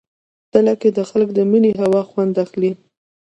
تله کې خلک د مني هوا خوند اخلي.